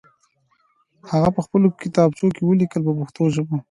هغه په خپلو کتابچو کې ولیکئ په پښتو ژبه.